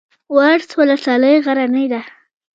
ورس ولسوالۍ غرنۍ ده؟